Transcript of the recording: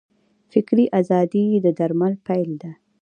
فکري ازادي د درمل پیل دی.